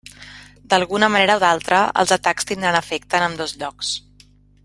D'alguna manera o d'altra els atacs tindran efecte en ambdós llocs.